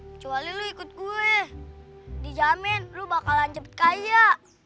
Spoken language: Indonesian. kecuali lo ikut gue dijamin lo bakalan cepet kaya